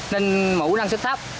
nên mù năng sức thấp